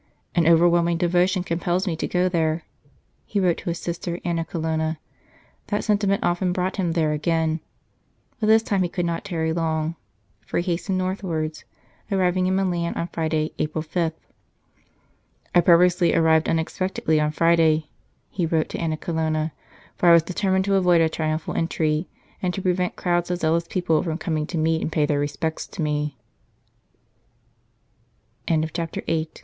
"An overwhelming devotion compels me to go there," he wrote to his sister, Anna Colonna. That sentiment often brought him there again, but this time he could not tarry long, so he hastened northwards, arriving in Milan on Friday, April 5. " I purposely arrived unexpectedly on Friday," he wrote to Anna Colonna, "for I was determined to avoid a triumphal entry, and to prevent crowds of zealous people from coming to meet and pay their respects to